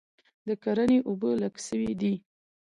د کرني اوبه لږ سوي دي